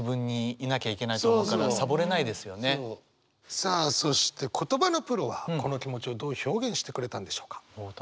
さあそして言葉のプロはこの気持ちをどう表現してくれたんでしょうか？